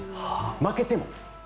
負けても。